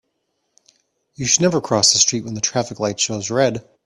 You should never cross the street when the traffic light shows red.